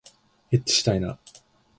えっちしたいな